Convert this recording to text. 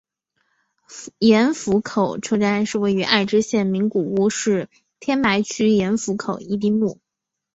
盐釜口车站是位于爱知县名古屋市天白区盐釜口一丁目。